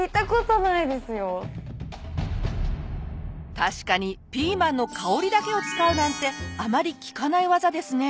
確かにピーマンの香りだけを使うなんてあまり聞かない技ですね。